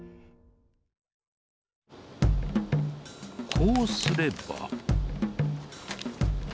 こうすれば。